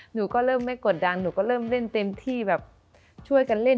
หนูก็เริ่มไม่กดดันหนูก็เริ่มเล่นเต็มที่แบบช่วยกันเล่น